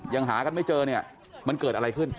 อย่างหากันไม่เจอมันเกิดอะไรขึ้น